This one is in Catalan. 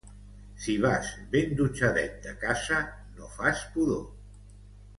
Si vas ben dutxadet de casa, no fas pudor.